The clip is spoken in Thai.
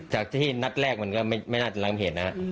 จากที่นัดแรกมันก็ไม่น่าจะล้างเหตุนะครับ